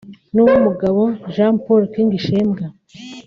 n’uw’umugabo Jean Paul King Chembwa